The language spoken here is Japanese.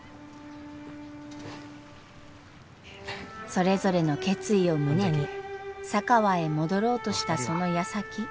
それぞれの決意を胸に佐川へ戻ろうとしたそのやさき。